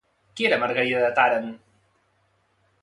Qui era Maragrida de Tàrent?